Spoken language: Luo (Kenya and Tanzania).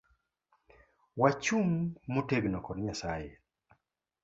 Wachung motegno kod nyasaye